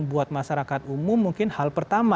buat masyarakat umum mungkin hal pertama